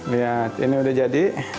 lihat ini udah jadi